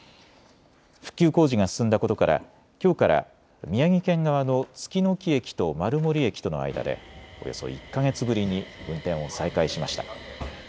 復旧工事が進んだことからきょうから宮城県側の槻木駅と丸森駅との間でおよそ１か月ぶりに運転を再開しました。